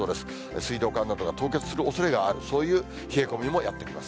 水道管などが凍結するおそれがある、そういう冷え込みもやって来ます。